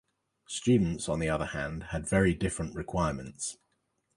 Students, on the other hand, had very different requirements.